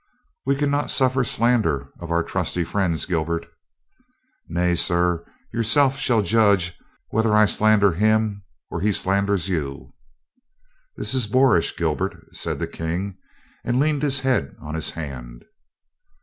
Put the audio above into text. "We can not suffer slander of our trusty friends, Gilbert." THE KING LOOKS 355 "Nay, sir, yourself shall judge whether I slander him or he slanders you." "This is boorish, Gilbert," said the King, and leaned his head on his hand.